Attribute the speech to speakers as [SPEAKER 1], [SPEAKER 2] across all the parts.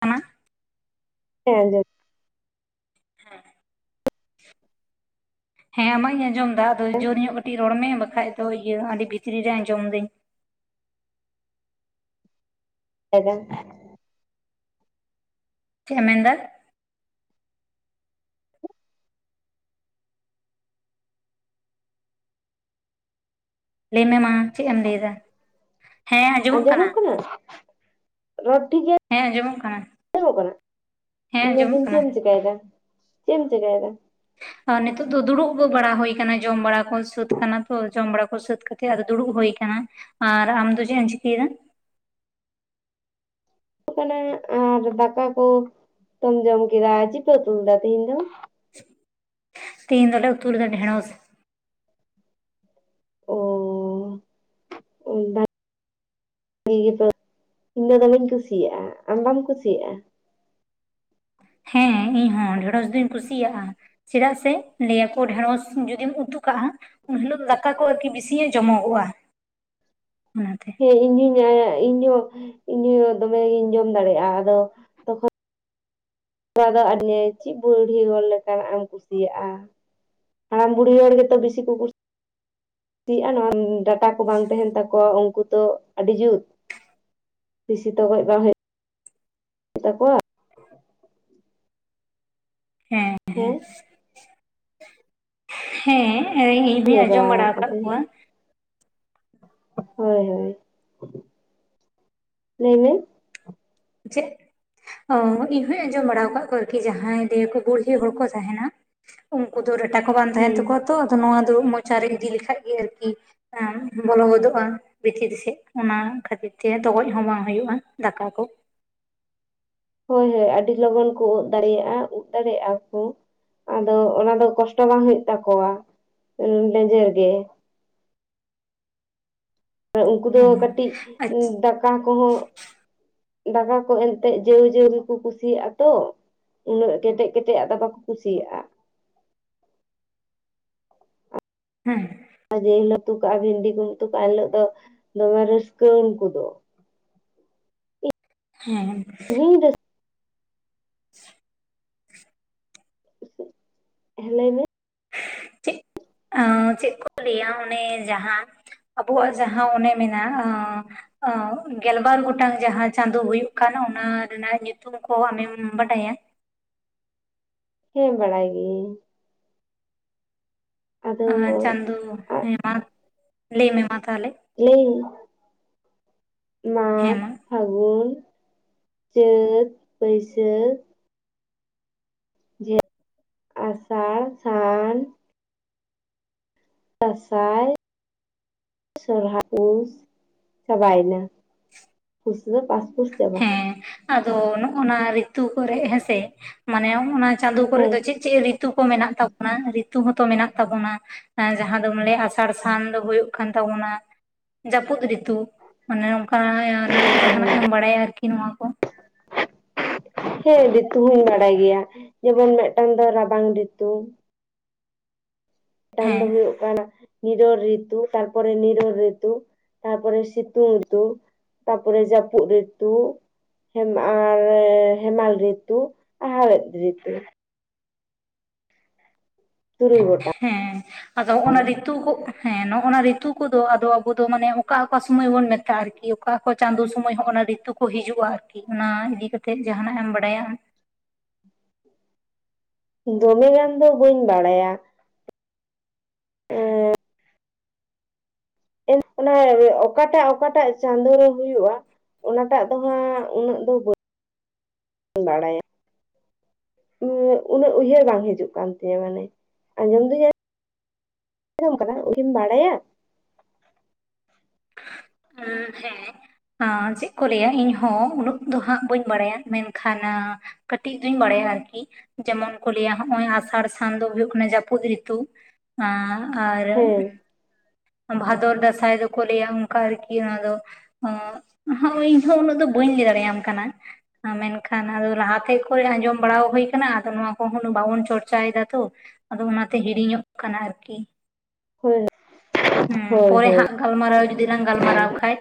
[SPEAKER 1] ᱠᱟᱱᱟ [unintelligible]
[SPEAKER 2] ᱪᱮᱫ [unintelligible]
[SPEAKER 1] ᱦᱮᱸ ᱟᱢᱟᱜ ᱤᱧ ᱟᱸᱡᱚᱢ ᱮᱫᱟ ᱟᱫᱚ ᱡᱳᱨ ᱧᱚᱜ ᱠᱟᱹᱴᱤᱡ ᱨᱚᱲ ᱢᱮ ᱵᱟᱠᱷᱟᱡ ᱫᱚ ᱤᱭᱟᱹ ᱟᱹᱰᱤ ᱵᱷᱤᱛᱨᱤ ᱨᱮ ᱟᱸᱡᱚᱢᱫᱟᱹᱧ
[SPEAKER 2] ᱮ [unintelligible]
[SPEAKER 1] ᱪᱮᱫ ᱮ ᱢᱮᱱ ᱮᱫᱟ ᱞᱟᱹᱭᱢᱮ ᱢᱟ ᱪᱮᱫ ᱮᱢ ᱞᱟᱹᱭᱮᱫᱟ
[SPEAKER 2] ᱟᱸᱡᱚᱢᱚᱜ ᱠᱟᱱᱟ ᱨᱚᱲ ᱴᱷᱤᱠ ᱜᱮᱭᱟ
[SPEAKER 1] ᱦᱮᱸ ᱟᱸᱡᱚᱢᱚᱜ ᱠᱟᱱᱟ
[SPEAKER 2] ᱧᱚᱜ ᱠᱟᱱᱟ
[SPEAKER 1] ᱦᱮᱸ
[SPEAKER 2] ᱤᱱᱟᱹ
[SPEAKER 1] ᱟᱸᱡᱚᱢᱚᱜ
[SPEAKER 2] ᱢᱮᱱ
[SPEAKER 1] ᱠᱟᱱᱟ
[SPEAKER 2] ᱫᱤᱧ ᱪᱮᱫ ᱮᱢ ᱪᱮᱠᱟᱭᱮᱫᱟ ᱪᱮᱫ ᱮᱢ ᱪᱮᱠᱟᱭᱮᱫᱟ
[SPEAKER 1] ᱟᱨ ᱱᱤᱛᱚᱜ ᱫᱚ ᱫᱩᱲᱩᱵ ᱵᱟᱲᱟ ᱦᱩᱭ ᱟᱠᱟᱱᱟ ᱡᱚᱢ ᱵᱟᱲᱟ ᱠᱚ ᱥᱟᱹᱛ ᱟᱠᱟᱱᱟ ᱛᱚ ᱡᱚᱢ ᱵᱟᱲᱟ ᱠᱚ ᱥᱟᱹᱛ ᱠᱟᱛᱮ ᱫᱩᱲᱩᱵ ᱦᱩᱭ ᱟᱠᱟᱱᱟ ᱟᱨ ᱟᱢ ᱫᱚ ᱪᱮᱫ ᱮᱢ ᱪᱤᱠᱟᱹᱭᱮᱫᱟ
[SPEAKER 2] ᱟᱨ ᱫᱟᱠᱟ ᱠᱚᱢ ᱡᱚᱢ ᱠᱮᱫᱟ ᱪᱤᱯᱮ ᱩᱛᱩ ᱞᱮᱫᱟ ᱛᱮᱦᱤᱧ ᱫᱚ
[SPEAKER 1] ᱛᱤᱱ ᱫᱚᱞᱟ ᱩᱛᱩ ᱞᱮᱫᱟ ᱰᱷᱮᱬᱚᱥ
[SPEAKER 2] ᱚ ᱜᱮ ᱤᱧ ᱫᱚ ᱫᱚᱢᱮᱧ ᱠᱩᱥᱤᱭᱟᱜᱼᱟ ᱟᱢ ᱵᱟᱢ ᱠᱩᱥᱤᱭᱟᱜᱼᱟ
[SPEAKER 1] ᱦᱮᱸ ᱤᱧ ᱦᱚᱸ ᱰᱷᱮᱲᱚᱥ ᱫᱩᱧ ᱠᱩᱥᱤᱭᱟᱜᱼᱟ᱾ ᱪᱮᱫᱟᱜ ᱥᱮ ᱞᱟᱹᱭᱟᱠᱚ ᱰᱷᱮᱸᱲᱚᱥ ᱡᱩᱫᱤᱢ ᱩᱛᱩ ᱠᱟᱜᱼᱟ ᱩᱱ ᱦᱤᱞᱳᱜ ᱫᱟᱠᱟ ᱠᱚ ᱟᱨᱠᱤ ᱵᱮᱥᱤᱧᱚᱜ ᱡᱚᱢᱚᱜᱼᱟ ᱚᱱᱟᱛᱮ
[SPEAKER 2] ᱤᱧᱦᱚᱧ ᱟ ᱤᱧᱦᱚᱸ ᱤᱧᱦᱚ ᱫᱚᱢᱮᱜᱤᱧ ᱡᱚᱢ ᱫᱟᱲᱮᱭᱟᱜᱼᱟ ᱟᱫᱚ ᱱᱚᱣᱟ ᱫᱚ ᱟᱨᱤᱭᱟᱹ ᱪᱮᱫ ᱵᱩᱲᱦᱤ ᱦᱚᱲ ᱞᱮᱠᱟᱱᱟᱜ ᱮᱢ ᱠᱩᱥᱤᱭᱟᱜᱼᱟ ᱦᱟᱲᱟᱢ ᱵᱩᱲᱦᱤ ᱦᱚᱲ ᱜᱮᱛᱚ ᱵᱤᱥᱤ ᱠᱚ ᱠᱩᱥᱤᱣᱟ ᱪᱮᱫ ᱱᱚᱣᱟ ᱰᱟᱴᱟ ᱠᱚ ᱵᱟᱝ ᱛᱟᱦᱮᱱ ᱛᱟᱠᱚᱣᱟ ᱩᱱᱠᱩ ᱛᱚ ᱟᱹᱰᱤ ᱡᱩᱛ ᱵᱤᱥᱤ ᱛᱚᱜᱚᱡ ᱵᱟᱝ ᱦᱩᱭᱩᱜᱼᱟ ᱛᱟᱠᱚᱣᱟ [unintelligible]
[SPEAKER 1] ᱦᱮᱸ ᱦᱮᱸ ᱦᱮᱸ ᱤᱧ ᱫᱚᱧ
[SPEAKER 2] ᱞᱟᱹᱭ
[SPEAKER 1] ᱟᱸᱡᱚᱢ ᱵᱟᱲᱟ ᱟᱠᱟᱫ
[SPEAKER 2] ᱟᱠᱟᱫᱟᱹᱧ
[SPEAKER 1] ᱠᱚᱣᱟ
[SPEAKER 2] ᱦᱳᱭ ᱦᱳᱭ ᱞᱟᱹᱭ ᱢᱮ
[SPEAKER 1] ᱪᱮᱫ ᱤᱧᱦᱚᱧ ᱟᱸᱡᱚᱢ ᱵᱟᱲᱟ ᱟᱠᱟᱫ ᱠᱚᱣᱟ ᱟᱨᱠᱤ ᱡᱟᱦᱟᱸᱭ ᱫᱤᱭᱮ ᱠᱚ ᱵᱩᱲᱦᱤ ᱦᱚᱲ ᱠᱚ ᱛᱟᱦᱮᱱᱟ᱾ ᱩᱱᱠᱩ ᱫᱚ ᱨᱟᱴᱟ ᱠᱚ ᱵᱟᱝ ᱛᱟᱦᱮᱱ
[SPEAKER 2] ᱦᱩᱸ
[SPEAKER 1] ᱛᱟᱠᱚᱣᱟ ᱛᱚ ᱟᱫᱚ ᱱᱚᱣᱟ ᱫᱚ ᱢᱚᱪᱟ ᱨᱮ ᱤᱫᱤ ᱞᱮᱠᱷᱟᱡ ᱜᱮ ᱟᱨᱠᱤ ᱦᱮᱸ ᱵᱚᱞᱚ ᱜᱚᱫᱚᱜᱼᱟ ᱵᱷᱤᱛᱤᱨ ᱥᱮᱫ ᱚᱱᱟ ᱠᱷᱟᱹᱛᱤᱨ ᱛᱮ ᱰᱚᱜᱚᱡ ᱦᱚᱸ ᱵᱟᱝ ᱦᱩᱭᱩᱜᱼᱟ ᱫᱟᱠᱟ ᱠᱚ
[SPEAKER 2] ᱦᱳᱭ ᱦᱳᱭ ᱟᱹᱰᱤ ᱞᱚᱜᱚᱱ ᱠᱚ ᱩᱫ ᱫᱟᱲᱮᱭᱟᱜᱼᱟ ᱩᱫ ᱫᱟᱲᱮᱭᱟᱜᱼᱟ ᱠᱚ ᱟᱫᱚ ᱚᱱᱟ ᱫᱚ ᱠᱚᱥᱴᱚ ᱵᱟᱝ ᱦᱩᱭᱩᱜ ᱛᱟᱠᱚᱣᱟ ᱞᱮᱡᱮᱨ ᱜᱮ ᱟᱨ ᱩᱱᱠᱩ ᱫᱚ
[SPEAKER 1] ᱦᱮᱸ
[SPEAKER 2] ᱠᱟᱹᱴᱤᱡ
[SPEAKER 1] ᱟᱪᱪᱷᱟ
[SPEAKER 2] ᱫᱟᱠᱟ ᱠᱚᱦᱚᱸ ᱫᱟᱠᱟ ᱠᱚ ᱮᱱᱛᱮᱜ ᱡᱟᱹᱣ ᱜᱮᱠᱚ ᱠᱩᱥᱤᱭᱟᱜᱼᱟ ᱛᱚ ᱩᱱᱟᱹᱜ ᱠᱮᱴᱮᱡ ᱠᱮᱴᱮᱡ ᱟᱜ ᱫᱚ ᱵᱟᱠᱚ ᱠᱩᱥᱤᱭᱟᱜᱼᱟ
[SPEAKER 1] ᱦᱮᱸ
[SPEAKER 2] ᱡᱮ ᱦᱤᱞᱳ ᱩᱛᱩ ᱠᱟᱜᱼᱟ ᱵᱷᱤᱱᱰᱤ ᱠᱚᱢ ᱩᱛᱩ ᱠᱟᱜᱼᱟ ᱮᱱᱤᱞᱳᱜ ᱫᱚᱢᱮ ᱨᱟᱹᱥᱠᱟᱹ ᱩᱱᱠᱩ ᱫᱚ
[SPEAKER 1] ᱦᱮᱸ
[SPEAKER 2] ᱤᱧ [unintelligible] ᱦᱮ ᱞᱟᱹᱭ ᱢᱮ
[SPEAKER 1] ᱪᱮᱫ ᱪᱮᱫ ᱠᱚ ᱞᱟᱹᱭᱟ ᱚᱱᱮ ᱡᱟᱦᱟᱸ ᱟᱵᱚᱣᱟᱜ ᱡᱟᱦᱟᱸ ᱚᱱᱮ ᱢᱮᱱᱟᱜ ᱜᱮᱞᱵᱟᱨ ᱜᱚᱴᱟᱝ ᱡᱟᱦᱟᱸ ᱪᱟᱸᱫᱳ ᱦᱳ ᱠᱟᱱ ᱚᱱᱟ ᱨᱮᱱᱟᱜ ᱧᱩᱛᱩᱢ ᱠᱚ ᱟᱢᱮᱢ ᱵᱟᱰᱟᱭᱟ
[SPEAKER 2] ᱦᱮᱸ ᱵᱟᱲᱟᱭ ᱜᱤᱭᱟᱹᱧ ᱟᱫᱚ
[SPEAKER 1] ᱟ ᱪᱟᱫᱚ ᱦᱟ ᱞᱟᱹᱭ ᱢᱮ ᱢᱟ ᱛᱟᱞᱮ
[SPEAKER 2] ᱞᱟᱹᱭ ᱢᱟ ᱯᱷᱟᱹᱜᱩᱱ ᱪᱟᱹᱛ ᱵᱟᱹᱭᱥᱟᱹᱠ ᱟᱥᱟᱲ ᱥᱟᱱ ᱫᱟᱸᱥᱟᱭ ᱥᱚᱦᱨᱟᱭ ᱯᱩᱥ ᱪᱟᱵᱟᱭᱮᱱᱟ ᱠᱷᱩᱥ ᱫᱚ ᱯᱟᱥᱯᱳᱨᱴ ᱪᱟᱵᱟ
[SPEAKER 1] ᱦᱮᱸ ᱟᱫᱚ ᱱᱚᱜᱱᱟ ᱨᱤᱛᱩ ᱠᱚᱨᱮ ᱦᱮᱸᱥᱮ ᱢᱟᱱᱮ ᱱᱚᱜᱱᱟ ᱪᱟᱸᱫᱳ ᱠᱚᱨᱮ ᱫᱚ
[SPEAKER 2] ᱦᱮᱸ
[SPEAKER 1] ᱪᱮᱫ ᱪᱮᱫ ᱨᱤᱛᱩ ᱠᱚ ᱢᱮᱱᱟᱜ ᱛᱟᱵᱚᱱᱟ ᱨᱤᱛᱩ ᱦᱚᱸᱛᱚ ᱢᱮᱱᱟᱜ ᱛᱟᱵᱚᱱᱟ ᱡᱟᱦᱟᱸ ᱫᱚᱢ ᱞᱟᱹᱭᱟ ᱟᱥᱟᱲ ᱥᱟᱱ ᱫᱚ ᱦᱳᱭᱳᱜ ᱠᱟᱱ ᱛᱟᱵᱚᱱᱟ ᱡᱟᱹᱯᱩᱫ ᱨᱤᱛᱩ ᱚᱱᱮ ᱚᱱᱠᱟᱱᱟᱜ ᱡᱟᱦᱟᱸᱟᱱᱟᱜ ᱮᱢ ᱵᱟᱲᱟᱭᱟ ᱟᱨᱠᱤ ᱱᱚᱣᱟ ᱠᱚ
[SPEAKER 2] ᱦᱮᱸ ᱨᱤᱛᱩ ᱦᱚᱧ ᱵᱟᱲᱟᱭ ᱜᱮᱭᱟ ᱡᱮᱢᱚᱱ ᱢᱤᱫᱴᱟᱝ ᱫᱚ ᱨᱟᱵᱟᱝ ᱨᱤᱛᱩ ᱢᱤᱫᱴᱟᱱ
[SPEAKER 1] ᱦᱮᱸ
[SPEAKER 2] ᱫᱚ ᱦᱩᱭᱩᱜ ᱠᱟᱱᱟ ᱱᱤᱨᱚᱞ ᱨᱤᱛᱩ ᱛᱟᱨᱯᱚᱨ ᱱᱤᱨᱚᱞ ᱨᱤᱛᱩ ᱛᱟᱨᱯᱚᱨ ᱥᱤᱛᱩᱝ ᱨᱤᱛᱩ ᱛᱟᱯᱚᱨᱮ ᱡᱟᱹᱯᱩᱫ ᱨᱤᱛᱩ ᱦᱮ ᱟᱨ ᱦᱮᱢᱟᱞ ᱨᱤᱛᱩ ᱟᱨ ᱦᱟᱣᱮᱫ ᱨᱤᱛᱩ ᱛᱩᱨᱩᱭ ᱜᱚᱴᱟᱝ
[SPEAKER 1] ᱦᱮᱸ ᱟᱫᱚ ᱱᱚᱜᱱᱟ ᱨᱤᱛᱩ ᱠᱚ ᱦᱮᱸ ᱱᱚᱜᱱᱟ ᱨᱤᱛᱩ ᱠᱚᱫᱚᱫᱚ ᱟᱵᱚ ᱫᱚ ᱢᱟᱱᱮ ᱚᱠᱟ ᱚᱠᱟ ᱥᱚᱢᱚᱭ ᱵᱚᱱ ᱢᱮᱛᱟᱜᱼᱟ ᱟᱨᱠᱤ ᱟᱨᱤ ᱚᱠᱟ ᱠᱚ ᱪᱟᱸᱫᱳ ᱥᱚᱢᱚᱭ ᱦᱚᱸ ᱚᱱᱟ ᱨᱤᱛᱩ ᱠᱚ ᱦᱤᱡᱩᱜᱼᱟ ᱟᱨᱠᱤ ᱚᱱᱟ ᱤᱫᱤ ᱠᱟᱛᱮᱫ ᱡᱟᱦᱱᱟᱜ ᱮᱢ ᱵᱟᱲᱟᱭᱟ
[SPEAKER 2] ᱫᱚᱢᱮ ᱜᱟᱱ ᱫᱚ ᱵᱟᱹᱧ ᱵᱟᱲᱟᱭᱟ ᱚᱱᱟ ᱚᱠᱟᱴᱟᱜ ᱚᱠᱟᱴᱟᱜ ᱪᱟᱸᱫᱳ ᱨᱮ ᱦᱩᱭᱩᱜᱼᱟ ᱚᱱᱟᱴᱟᱜ ᱫᱚᱦᱟᱸᱜ ᱩᱱᱟᱹᱜ ᱫᱚ ᱵᱟᱹᱧ ᱵᱟᱲᱟᱭᱟ ᱩᱱᱟᱹᱜ ᱩᱭᱦᱟᱹᱨ ᱵᱟᱝ ᱦᱤᱡᱩᱜ ᱠᱟᱱ ᱛᱤᱧᱟᱹ ᱢᱟᱱᱮ ᱟᱸᱡᱚᱢ ᱫᱤᱧᱟᱹ ᱟᱡᱚᱢ ᱠᱟᱫᱟ ᱵᱟᱲᱟᱭᱟ
[SPEAKER 1] ᱦᱩᱸ ᱦᱮᱸ ᱪᱮᱫ ᱠᱚ ᱞᱟᱹᱭᱟ ᱤᱧᱦᱚᱸ ᱩᱱᱟᱹᱜ ᱫᱚ ᱦᱟᱸᱜ ᱵᱟᱹᱧ ᱵᱟᱲᱟᱭᱟ ᱢᱮᱱᱠᱷᱟᱱ ᱠᱟᱹᱴᱤᱡ ᱫᱩᱧ ᱵᱟᱲᱟᱭᱟ ᱟᱨᱠᱤ ᱡᱮᱢᱚᱱ ᱠᱚ ᱞᱟᱹᱭᱟ ᱱᱚᱜᱼᱚᱭ ᱟᱥᱟᱲ ᱥᱟᱱ ᱫᱚ ᱦᱩᱭᱩᱜ ᱠᱟᱱᱟ ᱡᱟᱹᱯᱩᱫ ᱨᱤᱛᱩ ᱟᱨ
[SPEAKER 2] ᱦᱮᱸ
[SPEAKER 1] ᱵᱷᱟᱫᱚᱨ ᱫᱟᱸᱥᱟᱭ ᱫᱚ ᱠᱚ ᱞᱟᱹᱭᱟ ᱚᱱᱠᱟ ᱟᱨᱠᱤ ᱚᱱᱟ ᱫᱚᱜ ᱤᱧᱦᱚ ᱩᱱᱟᱹᱜ ᱫᱚ ᱵᱟᱹᱧ ᱞᱟᱹᱭ ᱫᱟᱲᱮᱭᱟᱢ ᱠᱟᱱᱟ ᱢᱮᱱᱠᱷᱟᱱ ᱟᱫᱚ ᱞᱟᱦᱟᱛᱮ ᱠᱷᱚᱡ ᱟᱸᱡᱚᱢ ᱵᱟᱲᱟ ᱦᱩᱭ ᱟᱠᱟᱱᱟ ᱟᱫᱚ ᱱᱚᱣᱟ ᱠᱚᱦᱚ ᱵᱟᱵᱚᱱ ᱪᱚᱨᱪᱟᱭ ᱮᱫᱟ ᱛᱚ ᱟᱫᱚ ᱚᱱᱟᱛᱮ ᱦᱤᱲᱤᱧᱚᱜ ᱠᱟᱱᱟ ᱟᱨᱠᱤ
[SPEAKER 2] ᱦᱳᱭ
[SPEAKER 1] ᱦᱮᱸ
[SPEAKER 2] ᱦᱳᱭ
[SPEAKER 1] ᱯᱚᱨᱮ
[SPEAKER 2] ᱦᱳᱭ
[SPEAKER 1] ᱦᱟᱸᱜ ᱜᱟᱞᱢᱟᱨᱟᱣ ᱡᱩᱫᱤ ᱞᱟᱝ
[SPEAKER 2] ᱦᱮᱸ
[SPEAKER 1] ᱜᱟᱞᱢᱟᱨᱟᱣ ᱠᱷᱟᱡ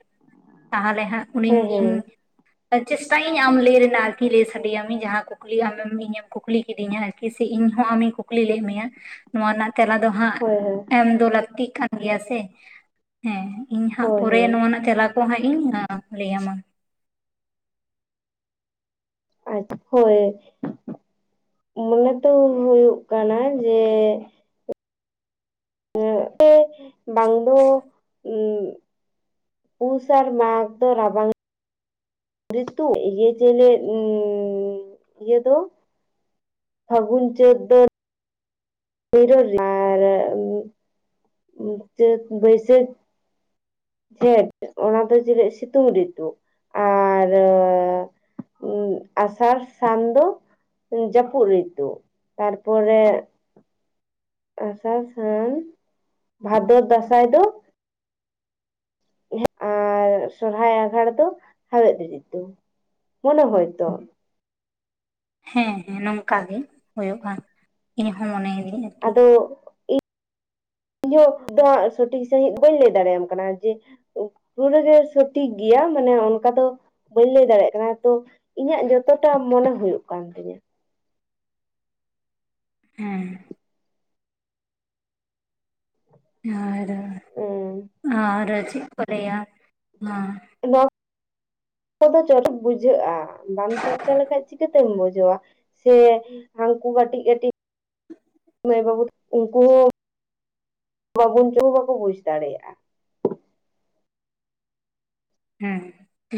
[SPEAKER 1] ᱛᱟᱦᱚᱞᱮ ᱦᱟᱸᱜ ᱩᱱᱤᱧ ᱤᱧ
[SPEAKER 2] ᱦᱮᱸ
[SPEAKER 1] ᱪᱮᱥᱴᱟᱭᱟᱹᱧ ᱟᱢ ᱞᱟᱹᱭ ᱨᱮᱱᱟᱜ ᱟᱨᱠᱤ ᱞᱟᱹᱭ ᱥᱟᱰᱮᱭᱟᱢᱤᱧ ᱡᱟᱦᱟᱸ ᱠᱩᱠᱞᱤ ᱟᱢᱮᱢ ᱤᱧᱮᱢ ᱠᱩᱠᱞᱤ ᱠᱤᱫᱤᱧᱟ ᱠᱤᱥᱤ ᱤᱧᱦᱚᱸ ᱟᱢᱤᱧ ᱠᱩᱠᱞᱤ ᱞᱮᱫ ᱢᱮᱭᱟ ᱱᱚᱣᱟ ᱨᱮᱱᱟᱜ ᱛᱮᱞᱟ ᱫᱚ ᱦᱟᱸᱜ
[SPEAKER 2] ᱦᱳᱭ ᱦᱳᱭ
[SPEAKER 1] ᱮᱢ ᱫᱚ ᱞᱟᱹᱠᱛᱤᱜ ᱠᱟᱱ ᱜᱮᱭᱟ ᱥᱮ ᱦᱮᱸ ᱤᱧ ᱦᱟᱸᱜ
[SPEAKER 2] ᱦᱳᱭ
[SPEAKER 1] ᱯᱚᱨᱮ
[SPEAKER 2] ᱦᱳᱭ
[SPEAKER 1] ᱱᱚᱣᱟ ᱨᱮᱱᱟᱜ ᱛᱮᱞᱟ ᱠᱚ ᱦᱟᱸᱜ ᱤᱧ ᱞᱟᱹᱭᱟᱢᱟ
[SPEAKER 2] ᱟ ᱦᱳᱭ ᱢᱚᱱᱮ ᱛᱚ ᱦᱩᱭᱩᱜ ᱠᱟᱱᱟ ᱡᱮ ᱵᱟᱝ ᱫᱚ ᱯᱩᱥ ᱟᱨ ᱢᱟᱜᱽ ᱫᱚ ᱨᱟᱵᱟᱝ ᱨᱤᱛᱩ ᱤᱭᱟᱹ ᱪᱮᱞᱮ ᱤᱭᱟᱹ ᱫᱚ ᱯᱷᱟᱹᱜᱩᱱ ᱪᱟᱹᱫ ᱫᱚ ᱟᱨ ᱪᱟᱹᱛ ᱵᱟᱹᱭᱥᱟᱹᱠᱷ ᱠᱷᱮᱴ ᱚᱱᱟ ᱫᱚ ᱪᱮᱞᱮ ᱥᱤᱛᱩᱝ ᱨᱤᱛᱩ ᱟᱨ ᱩᱸ ᱟᱥᱟᱲ ᱥᱟᱱ ᱫᱚ ᱡᱟᱹᱯᱩᱫ ᱨᱤᱛᱩ ᱛᱟᱨᱯᱚᱨᱮ ᱟᱥᱟᱲ ᱥᱟᱱ ᱵᱷᱟᱫᱚᱨ ᱫᱟᱸᱥᱟᱭ ᱫᱚ ᱟᱨ ᱥᱚᱨᱦᱟᱭ ᱟᱸᱜᱷᱟᱲ ᱫᱚ ᱦᱟᱣᱮᱫ ᱨᱤᱛᱩ ᱢᱚᱱᱮ ᱦᱚᱭᱛᱚ
[SPEAKER 1] ᱦᱮᱸ ᱦᱮᱸ ᱱᱚᱝᱠᱟ ᱜᱮ ᱦᱩᱭᱩᱜ‌ ᱟ ᱤᱧ ᱦᱚᱸ ᱢᱚᱱᱮᱭᱤᱫᱤᱧ ᱟᱨ
[SPEAKER 2] ᱟᱫᱚ ᱤᱧ [unintelligible] ᱥᱚᱴᱷᱤᱠ ᱥᱟᱺᱦᱤᱡ ᱵᱟᱹᱧ ᱞᱟᱹᱭ ᱫᱟᱲᱮᱭᱟᱢ ᱠᱟᱱᱟ ᱡᱮ ᱯᱩᱨᱟᱹ ᱜᱮ ᱥᱚᱴᱷᱤᱠ ᱜᱮᱭᱟ ᱢᱟᱱᱮ ᱚᱱᱠᱟ ᱫᱚ ᱵᱟᱹᱧ ᱞᱟᱹᱭ ᱫᱟᱲᱮᱭᱟᱜ ᱠᱟᱱᱟ ᱛᱚ ᱤᱧᱟᱹᱜ ᱡᱚᱛᱚᱴᱟ ᱢᱚᱱᱮ ᱦᱩᱭᱩᱜ ᱠᱟᱱ ᱛᱤᱧᱟ
[SPEAKER 1] ᱦᱮᱸ ᱟᱨ
[SPEAKER 2] ᱦᱩᱸ
[SPEAKER 1] ᱟᱨ ᱪᱮᱫ ᱠᱚ ᱞᱟᱹᱭᱟ ᱱᱚᱣᱟ
[SPEAKER 2] ᱱᱚᱣᱟ [unintelligible] ᱠᱚᱫᱚ ᱪᱚᱨᱚᱠ ᱵᱩᱡᱷᱟᱹᱜᱼᱟ ᱵᱟᱢ ᱪᱚᱨᱪᱟ ᱞᱮᱠᱷᱟᱡ ᱪᱤᱠᱟᱹᱛᱮᱢ ᱵᱩᱡᱷᱟᱹᱣᱟ ᱥᱮ ᱦᱟᱝᱠᱩ ᱠᱟᱹᱴᱤᱡ ᱠᱟᱹᱴᱤᱡ ᱵᱟᱵᱩ ᱛᱟᱠ [unintelligible] ᱩᱱᱠᱩ ᱦᱚᱸ ᱵᱟᱵᱚᱱ ᱵᱟᱠᱚ ᱵᱩᱡᱽ ᱫᱟᱲᱮᱭᱟᱜᱼᱟ
[SPEAKER 1] ᱦᱮᱸ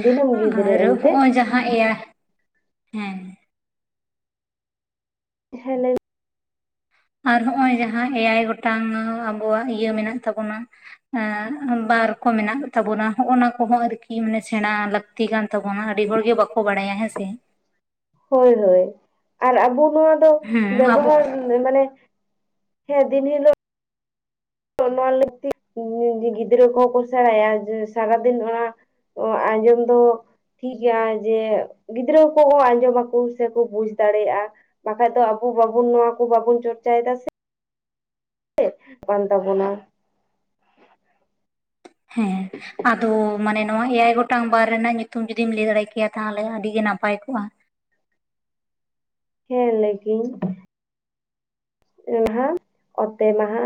[SPEAKER 2] ᱫᱤᱱᱟᱹᱢ ᱜᱤᱫᱽᱨᱟᱹ
[SPEAKER 1] ᱟᱨ
[SPEAKER 2] ᱮᱱᱛᱮᱫ
[SPEAKER 1] ᱦᱚᱸᱜᱼᱚᱭ ᱡᱟᱦᱟᱸ ᱤᱭᱟᱹ ᱦᱮᱸ
[SPEAKER 2] ᱦᱮᱸ ᱞᱟᱹᱭ
[SPEAKER 1] ᱟᱨ ᱦᱚᱸᱜ-ᱚᱭ ᱡᱟᱦᱟᱸ ᱮᱭᱟᱭ ᱜᱚᱴᱟᱝ ᱟᱵᱚᱣᱟᱜ ᱤᱭᱟᱹ ᱢᱮᱱᱟᱜ ᱛᱟᱵᱚᱱᱟ ᱮᱸᱜ ᱵᱟᱨ ᱠᱚ ᱢᱮᱱᱟᱜ ᱛᱟᱵᱚᱱᱟ ᱦᱚᱸᱜᱼᱚᱱᱟ ᱠᱚᱦᱚᱸ ᱟᱨᱤ ᱠᱤ ᱢᱟᱱᱮ ᱥᱮᱬᱟ ᱞᱟᱹᱠᱛᱤ ᱠᱟᱱ ᱛᱟᱵᱚᱱᱟ ᱟᱹᱰᱤ ᱦᱚᱲ ᱜᱮ ᱵᱟᱠᱚ ᱵᱟᱲᱟᱭᱟ ᱦᱮᱸ ᱥᱮ
[SPEAKER 2] ᱦᱳᱭ ᱦᱳᱭ ᱟᱨ ᱟᱵᱚ ᱱᱚᱣᱟ ᱫᱚ
[SPEAKER 1] ᱦᱮᱸ ᱟᱵᱚ
[SPEAKER 2] ᱵᱮᱵᱚᱦᱟᱨ ᱢᱟᱱᱮ ᱦᱮᱸ ᱫᱤᱱ ᱦᱤᱞᱳᱜ ᱱᱚᱣᱟ ᱞᱟᱹᱠᱛᱤ ᱜᱤᱫᱽᱨᱟᱹ ᱠᱚᱦᱚᱸ ᱠᱚ ᱥᱮᱬᱟᱭᱟ ᱡᱮ ᱥᱟᱨᱟᱫᱤᱱ ᱚᱱᱟ ᱟᱸᱡᱚᱢ ᱫᱚ ᱴᱷᱤᱠ ᱜᱮᱭᱟ ᱡᱮ ᱜᱤᱫᱽᱨᱟᱹ ᱠᱚᱦᱚᱸ ᱟᱸᱡᱚᱢᱟᱠᱚ ᱥᱮᱠᱚ ᱵᱩᱡᱽ ᱫᱟᱲᱮᱭᱟᱜᱼᱟ ᱵᱟᱠᱷᱟᱡ ᱫᱚ ᱟᱵᱚ ᱵᱟᱵᱚᱱ ᱱᱚᱣᱟ ᱠᱚ ᱵᱟᱵᱚᱱ ᱪᱚᱨᱪᱟᱭᱮᱫᱟ ᱥᱮ ᱠᱟᱱ ᱛᱟᱵᱚᱱᱟ
[SPEAKER 1] ᱦᱮᱸ ᱟᱫᱚ ᱢᱟᱱᱮ ᱱᱚᱣᱟ ᱮᱭᱟᱭ ᱜᱚᱴᱟᱝ ᱵᱟᱨ ᱨᱮᱱᱟᱜ ᱧᱩᱛᱩᱢ ᱡᱩᱫᱤᱢ ᱞᱟᱹᱭ ᱫᱟᱲᱮ ᱠᱮᱭᱟ ᱛᱟᱦᱚᱞᱮ ᱟᱹᱰᱤ ᱜᱮ ᱱᱟᱯᱟᱭ ᱠᱚᱜᱼᱟ
[SPEAKER 2] ᱦᱮᱸ ᱞᱟᱹᱭ ᱠᱤᱭᱟᱹᱧ, ᱥᱤᱸᱜᱤ ᱢᱟᱦᱟ, ᱚᱛᱮ ᱢᱟᱦᱟ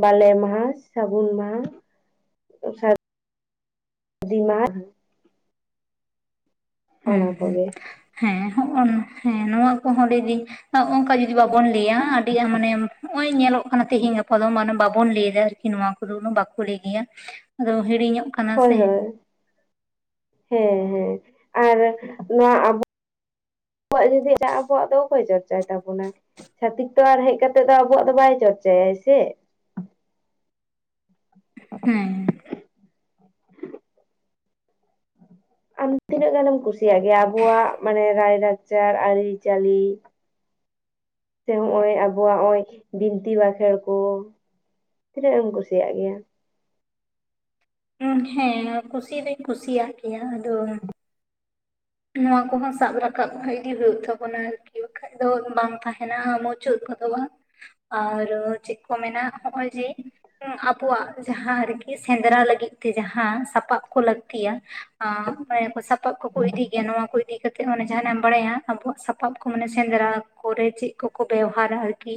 [SPEAKER 2] ᱵᱟᱞᱮ ᱢᱟᱦᱟ ᱥᱟᱹᱜᱩᱱ ᱢᱟᱦᱟ, ᱥᱟᱨ ᱫᱤ ᱢᱟᱦᱟ ᱚᱱᱟ
[SPEAKER 1] ᱦᱩᱸ ᱦᱩᱸ
[SPEAKER 2] ᱠᱚᱜᱮ
[SPEAKER 1] ᱦᱮᱸ ᱦᱚᱸᱜ-ᱚ ᱦᱮᱸ ᱱᱚᱣᱟ ᱠᱚᱦᱚᱸ ᱞᱟᱹᱭᱫᱟᱹᱧ ᱱᱚᱜ-ᱚᱠᱟ ᱡᱩᱫᱤ ᱡᱩᱫᱤ ᱵᱟᱵᱚᱱ ᱞᱟᱹᱭᱟ ᱟᱹᱰᱤ ᱢᱟᱱᱮ ᱱᱚᱜᱚᱭ ᱧᱮᱞᱚᱜ ᱠᱟᱱᱟ ᱛᱮᱦᱤᱧ ᱜᱟᱯᱟ ᱫᱚ ᱢᱟᱱᱮ ᱵᱟᱵᱚᱱ ᱞᱟᱹᱭᱮᱫᱟ ᱟᱨᱠᱤ ᱱᱚᱣᱟ ᱠᱚᱫᱚ ᱵᱟᱠᱚ ᱞᱟᱹᱭ ᱜᱮᱭᱟ ᱟᱫᱚ ᱦᱤᱲᱤᱧᱚᱜ ᱠᱟ
[SPEAKER 2] ᱦᱳᱭ ᱦᱳᱭ ᱦᱮᱸ ᱦᱮᱸ ᱟᱨ ᱱᱚᱣᱟ ᱟᱵᱚ ᱟᱵᱚᱣᱟᱜ ᱡᱩᱫᱤ ᱛᱟᱦᱚᱞᱮ ᱟᱵᱚᱣᱟᱜ ᱫᱚ ᱚᱠᱚᱭ ᱪᱚᱨᱪᱟᱭ ᱛᱟᱵᱚᱱᱟᱭ ᱪᱷᱟᱛᱤᱠ ᱛᱚ ᱟᱨ ᱦᱮᱡ ᱠᱟᱛᱮᱜ ᱫᱚ ᱟᱵᱚᱣᱟᱜ ᱫᱚ ᱵᱟᱭ ᱪᱚᱨᱪᱟᱭᱟᱭ ᱥᱮ
[SPEAKER 1] ᱦᱩᱸ
[SPEAKER 2] ᱟᱨ ᱛᱤᱱᱟᱹᱜ ᱜᱟᱱᱮᱢ ᱠᱩᱥᱤᱭᱟᱜ ᱜᱮᱭᱟ ᱟᱵᱚᱣᱟᱜ ᱢᱟᱱᱮ ᱨᱟᱭᱞᱟᱠᱪᱟᱨ ᱟᱹᱨᱤ ᱪᱟᱹᱞᱤ ᱥᱮ ᱦᱚᱸᱜ-ᱚᱭ ᱟᱵᱚᱣᱟᱜ ᱦᱚᱸᱜ-ᱚᱭ ᱵᱤᱱᱛᱤ ᱵᱟᱸᱠᱷᱮᱬ ᱠᱚ ᱛᱤᱱᱟᱹᱜ ᱮᱢ ᱠᱩᱥᱤᱭᱟᱜ ᱜᱮᱭᱟ
[SPEAKER 1] ᱦᱮᱸ ᱦᱮᱸ ᱠᱩᱥᱤ ᱫᱩᱧ ᱠᱩᱥᱤᱭᱟᱜ ᱜᱮᱭᱟ ᱟᱫᱚ ᱱᱚᱣᱟ ᱠᱚᱦᱚᱸ ᱥᱟᱵ ᱨᱟᱠᱟᱵ ᱤᱫᱤ ᱦᱩᱭᱩᱜ ᱛᱟᱵᱚᱱᱟ ᱟᱨᱠᱤ ᱵᱟᱠᱷᱟᱡ ᱫᱚ ᱵᱟᱝ ᱛᱟᱦᱮᱱᱟ ᱩᱱᱟᱹᱜ ᱢᱚᱸᱡᱽ ᱢᱩᱪᱟᱹᱫ ᱜᱚᱫᱚᱜᱼᱟ ᱟᱨ ᱪᱮᱫ ᱠᱚ ᱢᱮᱱᱟ ᱦᱚᱸᱜᱼᱚᱭ ᱡᱮ ᱟᱵᱚᱣᱟᱜ ᱡᱟᱦᱟᱸ ᱟᱨᱠᱤ ᱥᱮᱸᱫᱽᱨᱟ ᱞᱟᱹᱜᱤᱫ ᱛᱮ ᱡᱟᱸᱦᱟ ᱥᱟᱯᱟᱯ ᱠᱚ ᱞᱟᱹᱠᱛᱤᱭᱟ ᱟᱨ ᱢᱟᱭᱟᱢ ᱠᱚ ᱥᱟᱯᱟᱵ ᱠᱚᱠᱚ ᱤᱫᱤ ᱡᱮ ᱱᱚᱣᱟ ᱠᱚ ᱤᱫᱤ ᱠᱟᱛᱮᱫ ᱢᱟᱱᱮ ᱡᱟᱦᱟᱸᱟᱱᱟᱜ ᱮᱢ ᱵᱟᱲᱟᱭᱟ ᱟᱵᱚᱣᱟᱜ ᱥᱟᱯᱟᱵ ᱠᱚ ᱢᱟᱱᱮ ᱥᱮᱸᱫᱽᱨᱟ ᱠᱚᱨᱮ ᱪᱮᱫ ᱠᱚᱠᱚ ᱵᱮᱣᱦᱟᱨᱟ ᱟᱨᱠᱤ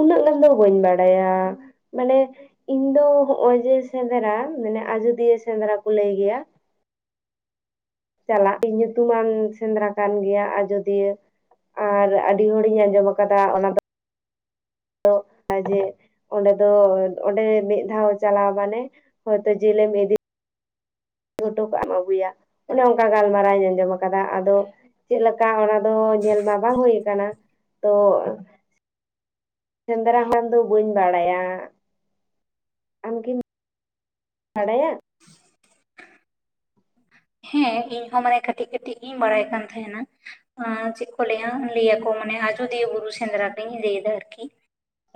[SPEAKER 2] ᱩᱱᱟᱹᱜ ᱜᱟᱱ ᱫᱚ ᱵᱟᱹᱧ ᱵᱟᱲᱟᱭᱟ ᱢᱟᱱᱮ ᱤᱧ ᱫᱚ ᱦᱚᱸᱜ-ᱚᱭ ᱡᱮ ᱥᱮᱸᱫᱽᱨᱟ ᱢᱟᱱᱮ ᱟᱡᱫᱤᱭᱟᱹ ᱥᱮᱸᱫᱽᱨᱟ ᱠᱚ ᱞᱟᱹᱭ ᱜᱮᱭᱟ ᱪᱟᱞᱟᱜ ᱧᱩᱛᱩᱢ ᱢᱟᱱ ᱥᱮᱸᱫᱽᱨᱟ ᱠᱟᱱ ᱜᱮᱭᱟ ᱟᱡᱚᱫᱤᱭᱟᱹ ᱟᱨ ᱟᱹᱰᱤ ᱦᱚᱲᱤᱧ ᱟᱸᱡᱚᱢ ᱟᱠᱟᱫᱟ ᱚᱱᱟ ᱫᱚ [inaudible] ᱚᱸᱰᱮ ᱫᱚ ᱚᱸᱰᱮ ᱢᱤᱫ ᱫᱷᱟᱣ ᱪᱟᱞᱟᱣ ᱢᱟᱱᱮ ᱦᱚᱭᱛᱳ ᱡᱤᱞᱮᱢ ᱤᱫᱤ ᱜᱷᱩᱴᱩ ᱠᱚᱟᱜ ᱮᱢ ᱟᱹᱜᱩᱭᱟ ᱚᱱᱮ ᱚᱝᱠᱟ ᱜᱟᱞᱢᱟᱨᱟᱣᱤᱧ ᱟᱸᱡᱚᱢ ᱟᱠᱟᱫᱟ ᱟᱫᱚ ᱪᱮᱫ ᱞᱮᱠᱟ ᱚᱱᱟ ᱫᱚ ᱧᱮᱞ ᱢᱟ ᱵᱟᱝ ᱦᱩᱭ ᱠᱟᱱᱟ ᱛᱚ? ᱥᱮᱸᱫᱽᱨᱟ ᱠᱷᱚᱱ ᱫᱚ ᱵᱟᱹᱧ ᱵᱟᱲᱟᱭᱟ᱾ ᱟᱢ ᱠᱤᱢ [inaudible] ᱵᱟᱲᱟᱭᱟ
[SPEAKER 1] [inaudible] ᱦᱮᱸ ᱤᱧ ᱦᱚᱸ ᱢᱟᱱᱮ ᱠᱟᱹᱴᱤᱡ ᱠᱟᱹᱴᱤᱡ ᱜᱤᱧ ᱵᱟᱲᱟᱭ ᱠᱟᱱ ᱛᱟᱦᱮᱱᱟ᱾ ᱪᱮᱫ ᱠᱚ ᱞᱟᱹᱭᱟ ᱞᱟᱹᱭ ᱟᱠᱚ ᱢᱟᱱᱮ ᱟᱡᱚᱫᱤᱭᱟᱹ ᱵᱩᱨᱩ ᱥᱮᱸᱫᱽᱨᱟ ᱜᱤᱧ ᱞᱟᱹᱭᱮᱫᱟ ᱟᱨᱠᱤ?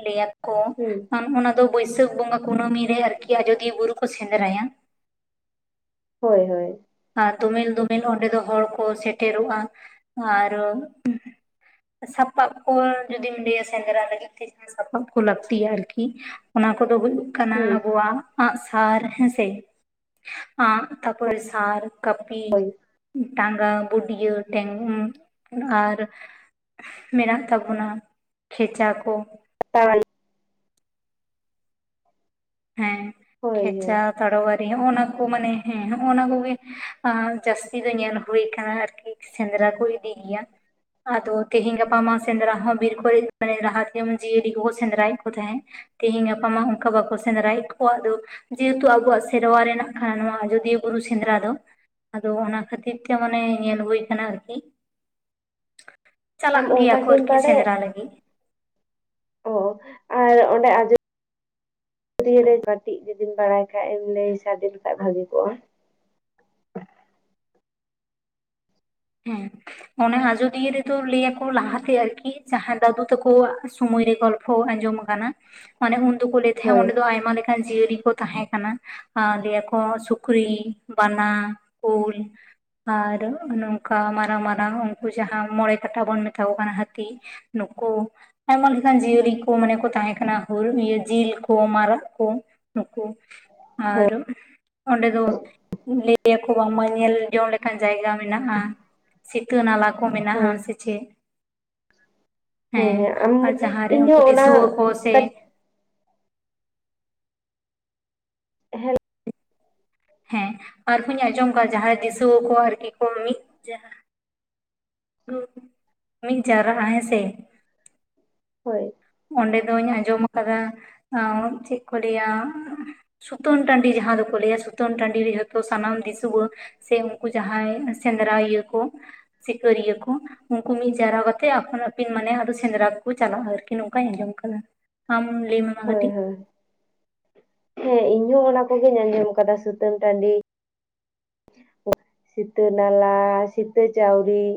[SPEAKER 1] ᱞᱟᱹᱭᱟ ᱠᱚ
[SPEAKER 2] ᱦᱩᱸ
[SPEAKER 1] ᱚᱱᱟ ᱫᱚ ᱵᱟᱹᱭᱥᱟᱹᱠᱷ ᱵᱚᱸᱜᱟ ᱠᱩᱱᱟᱹᱢᱤ ᱨᱮ ᱟᱨᱠᱤ ᱟᱡᱚᱫᱤᱭᱟᱹ ᱵᱩᱨᱩ ᱠᱚ ᱥᱮᱸᱫᱽᱨᱟᱭᱟ
[SPEAKER 2] ᱦᱳᱭ ᱦᱳᱭ
[SPEAKER 1] ᱟᱨ ᱫᱚᱢᱤᱞ ᱫᱚᱢᱤᱞ ᱚᱸᱰᱮ ᱫᱚ ᱦᱚᱲ ᱠᱚ ᱥᱮᱴᱮᱨᱚᱜᱼᱟ ᱟᱨ ᱥᱟᱯᱟᱵ ᱠᱚᱨ ᱡᱩᱫᱤᱢ ᱞᱟᱹᱭᱟ ᱥᱮᱸᱫᱽᱨᱟ ᱞᱟᱹᱜᱤᱫ ᱛᱮ ᱥᱟᱯᱟᱵ ᱠᱩ ᱞᱟᱹᱠᱛᱤᱭᱟ ᱟᱨᱠᱤ ᱚᱱᱟ ᱠᱚᱫᱚ ᱦᱩᱭᱩᱜ ᱠᱟᱱᱟ
[SPEAKER 2] ᱦᱩᱸ
[SPEAKER 1] ᱟᱵᱚᱣᱟᱜ ᱟᱸᱜ ᱥᱟᱨ ᱦᱮᱸᱥᱮ ᱟᱸᱜ ᱛᱟᱯᱚᱨᱮ ᱥᱟᱨ ᱠᱟᱹᱯᱤ
[SPEAKER 2] ᱦᱳᱭ
[SPEAKER 1] ᱴᱟᱸᱜᱟ ᱵᱩᱰᱭᱟᱹ ᱴᱮᱝ ᱩᱸ ᱟᱨ ᱢᱮᱱᱟᱜ ᱛᱟᱵᱚᱱᱟ ᱠᱷᱮᱪᱟ ᱠᱚ
[SPEAKER 2] ᱛᱟᱞ
[SPEAKER 1] ᱦᱮᱸ
[SPEAKER 2] ᱦᱳᱭ ᱦᱳᱭ
[SPEAKER 1] ᱠᱷᱮᱪᱟ ᱛᱟᱲᱣᱟᱨᱤ ᱦᱚᱸᱜᱚ ᱱᱟ ᱠᱚ ᱢᱟᱱᱮ ᱦᱮᱸ ᱦᱚᱜᱼᱱᱟ ᱠᱚᱜᱮ ᱡᱟᱹᱥᱛᱤ ᱫᱚ ᱧᱮᱞ ᱦᱩᱭ ᱟᱠᱟᱱᱟ ᱟᱨᱠᱤ ᱥᱮᱸᱫᱽᱨᱟ ᱠᱚ ᱤᱫᱤ ᱜᱮᱭᱟ ᱟᱫᱚ ᱛᱮᱦᱤᱧ ᱜᱟᱯᱟ ᱢᱟ ᱥᱮᱸᱫᱽᱨᱟ ᱦᱚᱸ ᱵᱤᱨ ᱠᱚᱨᱮ ᱢᱟᱱᱮ ᱨᱟᱦᱟ ᱛᱮᱚᱱ ᱡᱤᱭᱟᱹᱞᱤ ᱠᱚᱦᱚᱸ ᱥᱮᱸᱫᱽᱨᱟᱭᱮᱫ ᱠᱚ ᱛᱟᱦᱮᱸᱫ ᱛᱮᱤᱦᱤᱧ ᱜᱟᱯᱟ ᱢᱟ ᱚᱱᱠᱟ ᱵᱟᱠᱚ ᱥᱮᱸᱫᱽᱨᱟ ᱭᱮᱫ ᱠᱚᱣᱟᱜ ᱫᱚ ᱡᱮᱦᱮᱛᱩ ᱟᱵᱚᱣᱟᱜ ᱥᱮᱨᱣᱟ ᱨᱮᱱᱟᱜ ᱠᱟᱱᱟ ᱱᱚᱶᱟ ᱟᱡᱚᱫᱤᱭᱟᱹ ᱵᱩᱨᱩ ᱥᱮᱸᱫᱽᱨᱟ ᱫᱚ ᱟᱫᱚ ᱚᱱᱟ ᱠᱷᱟᱹᱛᱤᱨ ᱛᱮ ᱢᱟᱱᱮ ᱧᱮᱞ ᱦᱩᱭᱳ ᱟᱠᱟᱱᱟ ᱟᱨᱠᱤ
[SPEAKER 2] [inaudible]
[SPEAKER 1] ᱪᱟᱞᱟᱜ
[SPEAKER 2] ᱟᱢ
[SPEAKER 1] ᱢᱮᱭᱟ
[SPEAKER 2] ᱚᱱᱠᱟ
[SPEAKER 1] ᱠᱩ
[SPEAKER 2] ᱜᱮᱢ
[SPEAKER 1] ᱟᱨᱠᱤ
[SPEAKER 2] ᱵᱟᱰᱟᱭᱟ
[SPEAKER 1] ᱥᱮᱸᱫᱽᱨᱟ ᱞᱟᱹᱜᱤᱫ
[SPEAKER 2] ᱚ ᱟᱨ ᱚᱸᱰᱮ ᱟᱡᱚ ᱥᱩᱨᱭᱟᱹ ᱨᱮ ᱠᱟᱹᱴᱤᱡ ᱡᱩᱫᱤᱢ ᱵᱟᱲᱟᱭ ᱠᱷᱟᱡ ᱮᱢ ᱞᱟᱹᱭ ᱥᱟᱰᱤ ᱞᱮᱠᱷᱟᱱᱡ ᱵᱷᱟᱹᱜᱤ ᱠᱚᱜᱼᱟ
[SPEAKER 1] ᱦᱮᱸ ᱚᱱᱮ ᱟᱡᱚᱫᱤᱭᱟᱹ ᱨᱮᱫᱚ ᱞᱟᱹᱭ ᱭᱟᱠᱚ ᱞᱟᱦᱟᱛᱮ ᱟᱨᱠᱤ ᱡᱟᱦᱟᱸ ᱫᱟᱫᱩ ᱛᱟᱠᱚ ᱥᱩᱢᱚᱭ ᱨᱮ ᱜᱚᱞ ᱦᱳ ᱟᱸᱡᱚᱢ ᱟᱠᱟᱱᱟ ᱢᱟᱱᱮ ᱩᱱ ᱫᱚᱠᱚ ᱞᱟᱹᱭ ᱛᱟᱦᱮᱸᱫ
[SPEAKER 2] ᱦᱳᱭ
[SPEAKER 1] ᱚᱸᱰᱮ ᱫᱚ ᱟᱭᱢᱟ ᱞᱮᱠᱟᱱ ᱡᱤᱭᱟᱹᱞᱤ ᱠᱚ ᱛᱟᱦᱮᱸ ᱠᱟᱱᱟ᱾ ᱟᱨ ᱞᱟᱹᱭᱟᱠᱚ ᱥᱩᱠᱨᱤ ᱵᱟᱱᱟ ᱩᱞ ᱟᱨ ᱱᱚᱝ ᱚᱱᱠᱟ ᱢᱟᱨᱟᱝ ᱢᱟᱨᱟᱝ ᱩᱱᱠᱩ ᱡᱟᱦᱟᱸ ᱢᱚᱬᱮ ᱠᱟᱴᱟ ᱵᱚᱱ ᱢᱮᱛᱟ ᱠᱚ ᱠᱟᱱᱟ ᱦᱟᱹᱛᱤ ᱱᱩᱠᱩ ᱟᱭᱢᱟ ᱞᱮᱠᱟᱱ ᱡᱤᱭᱟᱹᱞᱤ ᱠᱚ ᱢᱟᱱᱮ ᱠᱚ ᱛᱟᱦᱮᱸ ᱠᱟᱱᱟ ᱦᱩ ᱤᱭᱟᱹ ᱡᱤᱞ ᱠᱚ ᱢᱟᱨᱟᱜ ᱠᱚ ᱱᱩᱠᱩ ᱟᱨ ᱚᱸᱰᱮ ᱫᱚ ᱞᱟ. ᱭ ᱠᱷᱩ ᱵᱟᱝᱢᱟ ᱧᱮᱞ ᱡᱚᱝ ᱞᱮᱠᱟᱱ ᱡᱟᱭᱜᱟ ᱢᱮᱱᱟᱜᱼᱟ ᱥᱤᱛᱟᱹ ᱱᱟᱞᱟ ᱠᱚ ᱢᱮᱱᱟᱜᱼᱟ
[SPEAKER 2] ᱦᱳᱭ
[SPEAKER 1] ᱥᱮ ᱪᱮᱜ ᱦᱮᱸ ᱟᱨ ᱡᱟᱦᱟᱸᱨᱮ
[SPEAKER 2] ᱤᱧᱦᱚᱸ
[SPEAKER 1] ᱩᱱᱠᱩ
[SPEAKER 2] ᱚᱱᱟ
[SPEAKER 1] ᱫᱤᱥᱩᱣᱟᱹ ᱠᱚ ᱥᱮ
[SPEAKER 2] ᱠᱟᱹᱡ ᱦᱮᱸᱜ ᱞᱚ
[SPEAKER 1] ᱦᱮᱸ ᱟᱨ ᱦᱩᱧ ᱟᱸᱡᱚᱢ ᱠᱚᱣᱟ ᱡᱟᱦᱟᱸᱭ ᱫᱤᱥᱟᱹᱣ ᱠᱚ ᱟᱨᱠᱤ ᱠᱚ ᱢᱤᱫ ᱡᱟᱦᱟᱸ ᱢᱤᱫ ᱡᱟᱣᱨᱟᱜᱼᱟ ᱦᱮᱸ ᱥᱮ
[SPEAKER 2] ᱦᱳᱭ
[SPEAKER 1] ᱚᱸᱰᱮ ᱫᱚᱩᱧ ᱟᱸᱡᱚᱢ ᱟᱠᱟᱫᱟ ᱪᱮᱫ ᱠᱚ ᱞᱟᱹᱭᱟ ᱮᱸᱜ? ᱥᱩᱛᱟᱹᱱ ᱴᱟᱺᱰᱤ ᱡᱟᱦᱟᱸ ᱫᱚᱠᱚ ᱞᱟᱹᱭᱟ ᱥᱩᱛᱟᱹᱱ ᱴᱺᱰᱤ ᱡᱷᱚᱛ ᱛᱚ ᱥᱟᱱᱟᱢ ᱫᱤᱥᱩᱣᱟᱹ ᱥᱮ ᱩᱱᱠᱩ ᱡᱟᱦᱟᱸᱭ ᱥᱮᱸᱫᱽᱨᱟ ᱤᱭᱟᱹ ᱠᱚ ᱥᱤᱠᱟᱹᱨᱤᱭᱟᱹ ᱠᱚ ᱩᱝᱠᱩ ᱢᱤᱜ ᱡᱟᱣᱨᱟ ᱠᱟᱛᱮ ᱟᱯᱟᱱ ᱟᱹᱯᱤᱱ ᱢᱟᱱᱮ ᱟᱫᱚ ᱥᱮᱸᱫᱽᱨᱟ ᱠᱚᱠᱚ ᱪᱟᱞᱟᱜᱼᱟ ᱟᱨᱠᱤ ᱚᱝᱠᱟᱧ ᱟᱸᱡᱚᱢ ᱠᱟᱱᱟ ᱟᱢ ᱞᱟᱹᱭᱟᱢ
[SPEAKER 2] ᱦᱳᱭ ᱦᱳᱭ ᱦᱮᱸ ᱤᱧ ᱦᱚᱸ ᱚᱱᱟ ᱠᱚᱜᱤᱧ ᱟᱸᱡᱚᱢ ᱠᱟᱫᱟ ᱥᱩᱛᱟᱹᱱ ᱴᱟᱺᱰᱤ ᱥᱤᱛᱟᱹ ᱱᱟᱞᱟ ᱥᱤᱛᱟᱹ ᱪᱟᱣᱨᱤᱜ